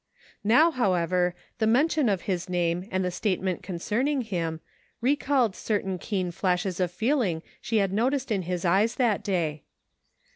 Now, however, the mention of his name and the statement concerning him, recalled certain keen flashes of feeling she had noticed in his eyes that day.